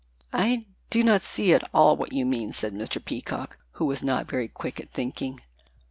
"I do not see at all what you mean," said Mr. Peacock, who was not very quick at thinking.